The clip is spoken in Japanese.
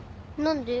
何で？